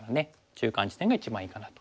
中間地点が一番いいかなと。